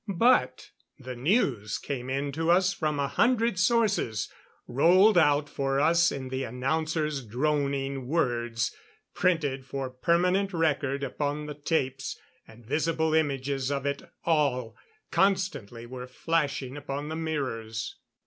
But the news came in to us from a hundred sources rolled out for us in the announcer's droning words; printed for permanent record upon the tapes and visible images of it all constantly were flashing upon the mirrors.